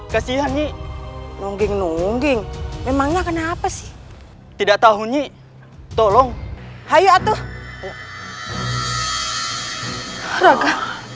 kasihan nyik nungging nungging memangnya kena apa sih tidak tahu nyik tolong hai atuh raga